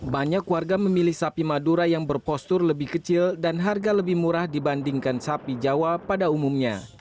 banyak warga memilih sapi madura yang berpostur lebih kecil dan harga lebih murah dibandingkan sapi jawa pada umumnya